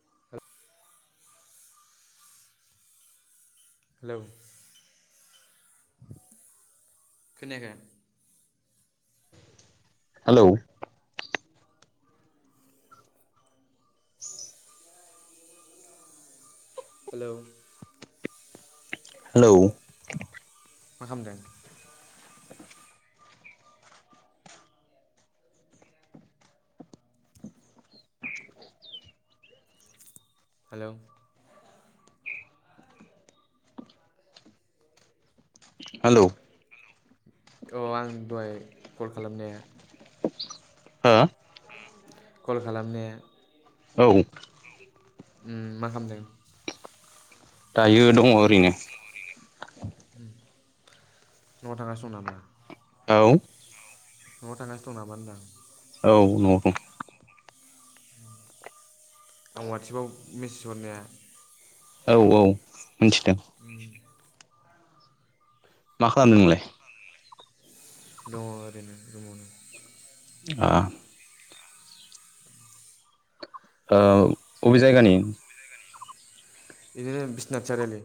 [unintelligible] Hello खोनायाखै? Hello hello hello मा खामदों? हेलौ हेलौ अ आं दहाय कल खालामनाया हो कल खालामनाया औ उम मा खामदों? दायो दङ ओरैनो। न'आव थांगासनो दं नामा? औ न'आव थांगासिनो दं नामा होनदां औ न'आव दं आं वाटसएपाव मेसेज हरनाया औ औ मिनथिदों मा खालामदों नोंलाय? दङ ओरैनो रुमावनो आ ओ अबे जायगानि बिदिनो बिसनात सारिआलि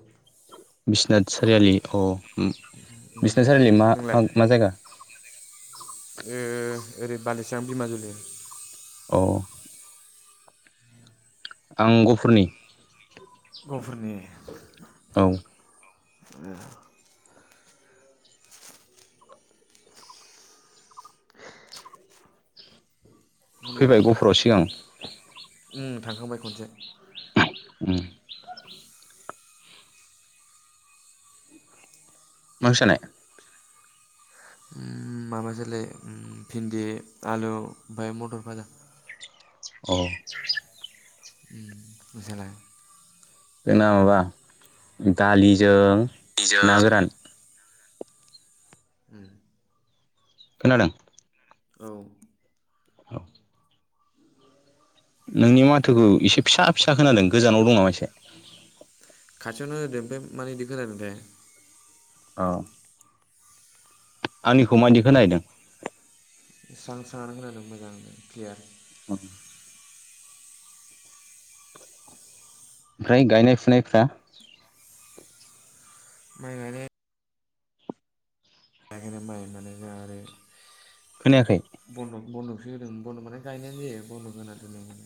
बिसनाथ सारियालि अ ओम बिसनाथ सारियालि मा नोंलाय मा जायगा [unintelligible] ओ ओरै बालिसां बिमाजुलि अ आं गफुरनि गफुरनि औ ए ओंखाम फैबाय गफुराव सिगां ओ थांखांबाय खनसे उम मा ओंख्रि जानाय ओम माबासोलै ओ भिन्दि आलु ओमफ्राय मथर भाजा [unintelligible] अ उम नोंसालाय जोंना माबा दालिजों ना गोरान उम खोनादों औ औ नोंनि माथोखौ इसे फिसा फिसा खोनादों गोजानाव दं नामा एसे खाथियावनो होदो ओमफ्राय मानो इदि खोनादोंथाय औ आंनिखौ मायदि खोनाहैदों स्रां स्रांआनो खोनादों मोजांनो क्लियार औ ओमफ्राय गायनाय फुनायफ्रा माइ गायनाय गायाखैनो माइ माने जोंहा आरो खोनायाखै बनद'कसो होदों बनदक माने गायनायानो जायो बनदक होना दोनदों माने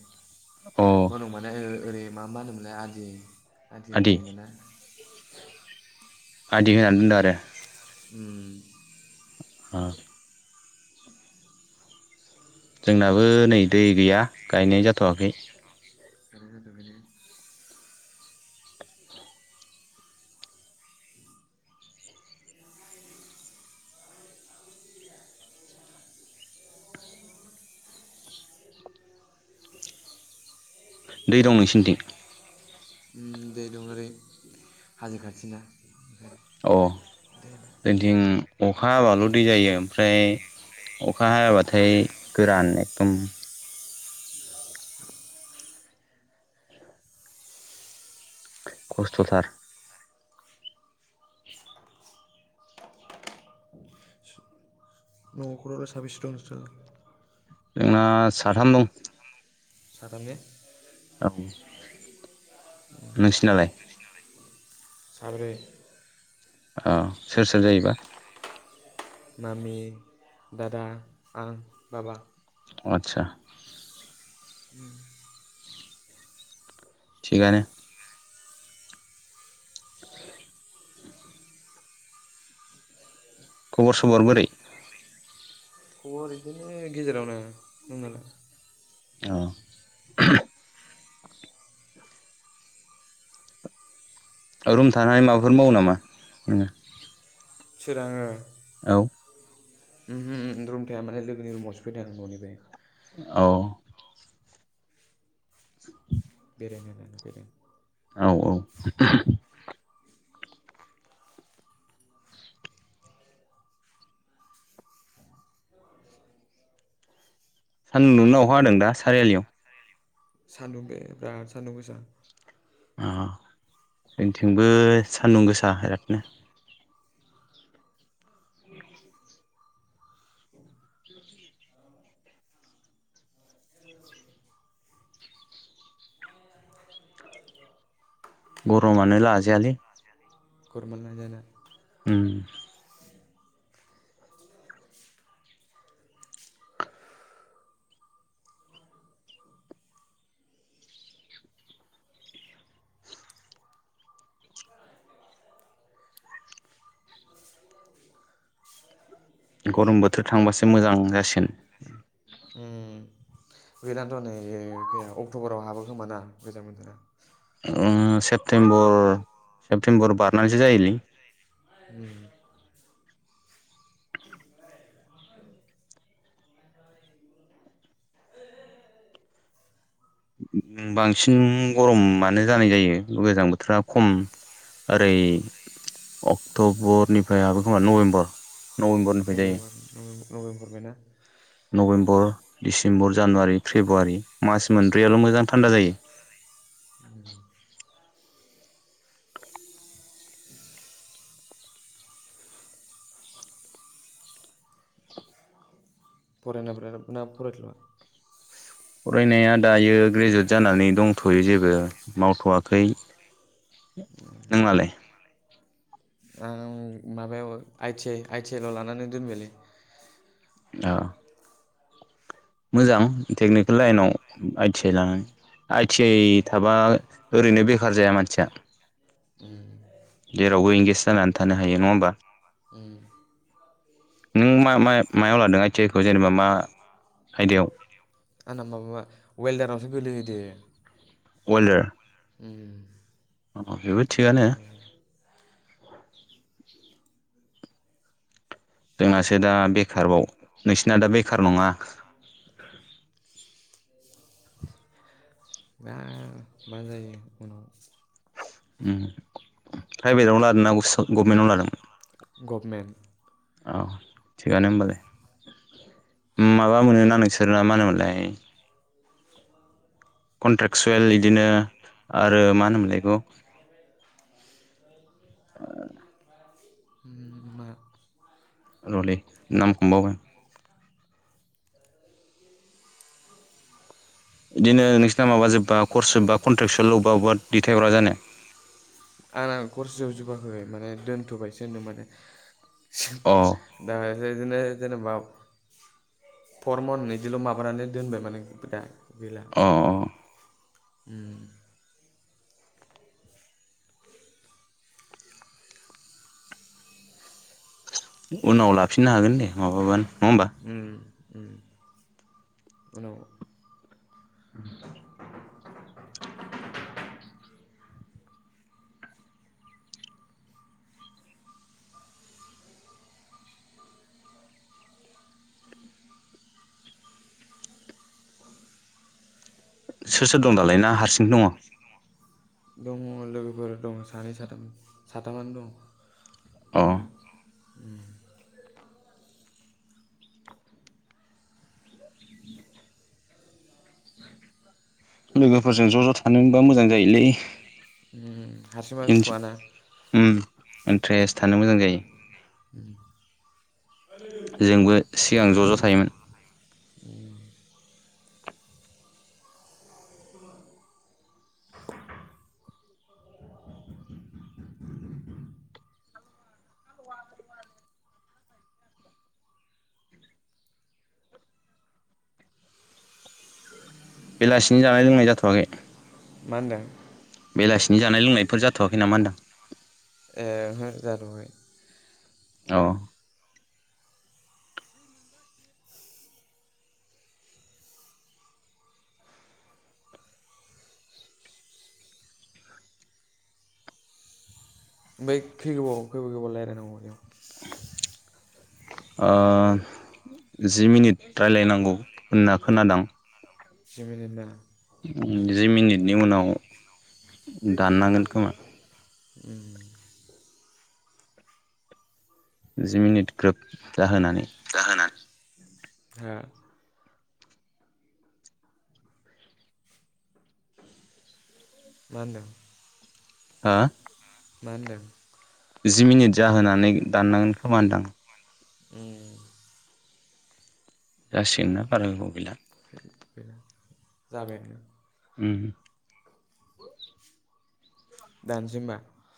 अ बनदक माने ओरै मा मा होनोमोनलाय आदि आदि होनोमोनना आदि होनानै दोनदों आरो उम अ जोंनाबो नै दै गैया गायनाय जाथ'वाखै गायनाय जाथ'आखैना दै दं नोंसिनिथिं उम दै दं ओरै हाजो खाथिना ओंखायनो अ जोंनिथिं अखा हाबाल' दै जायो ओमफ्राय अखा हायाबाथाय गोरान एकदम खस्थ'थार न खरावलाय साबैसे दं नोंस्रालाय? ओ साथाम दं सताम ने? औ नोंसिनालाय? साब्रै औ सोर सोर जायोबा? मामि दादा आं बाबा आचसा उम थिगानो [inaudible] खबर सबर बोरै? दङ बिदिनो गेजेरावनो। नोंनाय? अ रुम थाना माबाफोर मावो नामा? सोराङो औ रुम थाया माने लोगोनि रुमावसो फैदों आङो न'निफाय। औ [inaudible] बेरायनो होनानै फैदों औ औ सानदुं नुनो अखाहा होादों दा सारियालियाव? सान्दुं बे बिराद सान्दुं गोसा अ जोंनिथिंबो सान्दुं गोसा बिरादनो [inaudible] [inaudible] गरमानो लाजायालै गरमानो लाजायाना? उम गरम बोथोर थांबासो मोजां जासिगोन। उम [inaudible] अक्ट'बराव हाबो खोमोना गोजां बोथोरा ओम सेप्तेम्बर सेप्तेम्बर बारनालिसि जायोलै उम बांसिन गरमानो जानाय जायो गोजां बोथोरा खम ओरै अक्ट'बरनिफ्राय हाबो खोमा नभेम्बर नभेम्बरनिफ्राय जायो [inaudible] नभेम्बर डिसेम्बर जानुवारि फेब्रुवारि मास मोनब्रैयाल' मोजां थान्दा जायो। [inaudible] फरायनायफ्रा जोबबाय ना फरायथला फरायनाया दायो ग्रेजुवेट जानानै दंथ'यो जेबो मावथ'वाखै नोंहखलाय? आं माबायाव आइ आइटि आइल' लानानै दोनबायलै औ मोजां टेकनिकेल लाइनाव आइ टि आइ लानानै आइ टि आइ थाबा ओरैनो बेखार जाया मानसिया उम जेरावबो एंगेच जानानै थानो हायो नङा होमबा। औ नों मा मा मायाव लादों आइ टि आइ खौ जेनेबा मा आयदायाव? आं माबा वेलदारावसो गोलैहैदो। अवेलदार। उम अ बेबो बेयावसो थिगानो। गोलैयो जोंहासो दा बेखारबाव नोंसिना दा बेखार नङा। दा मा जायो उनाव प्राइभेटावनो लादों ना गभमेन्टावनो लादोंमोन? गभमेन्ट औ थिगानो होमबालाय। माबा मोनोना नोंसोर ना मा होनोमोनलाय कन्ट्राकसुयेल इदिनो आरो मा होनोमोनलाय इखौ होम मा रलै नामखौनो बावबाय आं इदिनो नोंसोरना माबा जोब्बा कर्स जोबबा कन्ट्रेकसुयेल अबबा अबबा दैथायहरा जानो? आंना कर्स जोबजोबाखैै माने दोनथ'बायसो होनदों माने अ दा आरो बिदिनो जेनेबा फर मन्थ इदिल' माबानानै दोनबाय माने दा। अ अ उम उनाव लाफिननो हागोन दे माबाबानो। नङा होमबा उम उम उनाव [inaudible] सोर सोर दं दालाय ना हारसिं दङ? दङ लोगोफोर दङ सानै साथाम साथामानो दं। अ [inaudible] लोगोफोरजों ज' ज' थानो मोनबा मोजां जायोलै। हारसिंबाबो उम सुखुवाना। इन्ट्रेस्ट थानो मोजां जायो। ओम जोंबो सिगां ज' ज' थायोमोन। [inaudible] [inaudible] बेलासिनि जानाय लोंनाय जाथ'वाखै? मा होनदों? बेलासिनि जानाय लोंनायफोर जाथ'वाखै नामा होनदों? ए ओहो जाथ'वाखै। औ ओमफ्राय खै गोबाव खै गोबाव रायलायनांगौ बेयाव? [inaudible] ओ जि मिनिट रायलायनांगौ होनना खोनादां। [unintelligible] जि मिनिटनि उनाव दाननांगोन खोमा। ओम जि मिनिट ग्रोब जाहोनानै। जाहोनानै हो मा होनदों? हा मा होनदों? जि मिनिट जाहोनानै दाननांगोन खोमा होनदां। उम जासिगोन ना बारा गोबाव गैला। बेनो जाबायानो उम दानसि होमा